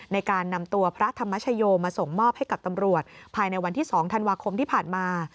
ในการนำตัวพระธรรมชโยมาส่งมอบให้กับตำรวจภายในวันที่๒ธันวาคมที่ผ่านมา